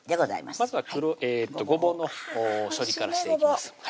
まずはごぼうの処理からしていきます